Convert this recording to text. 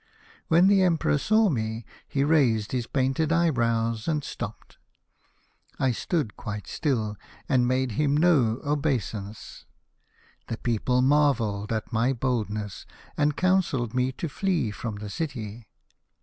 When the Emperor saw me, he raised his painted eye brows and stopped. I stood quite still, and made him no obeisance. The people marvelled at my boldness, and counselled me to flee from the city.